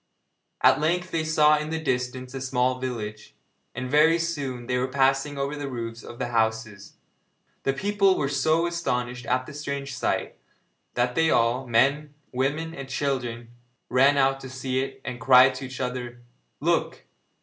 At length they saw in the distance a small village, and very soon they were passing over the roofs of the houses. The people were so astonished at the strange sight, that they all men, women and children ran out to see it, and cried to each other: 'Look!